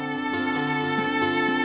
yah aja kita